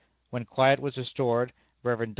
When quiet was restored, Rev. Dr.